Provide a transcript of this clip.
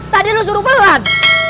tadi lo suruh pelan